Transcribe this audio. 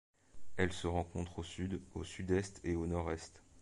Elles se rencontrent au Sud, au Sud-Est et au Nord-Est.